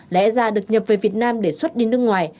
lẽ ra được nhập về việt nam để xuất đi nước ngoài